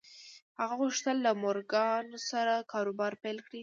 هغه غوښتل له مورګان سره کاروبار پیل کړي